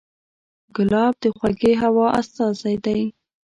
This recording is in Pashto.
ګلاب د خوږې هوا استازی دی.